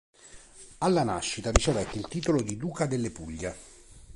Alla nascita ricevette il titolo di duca delle Puglie.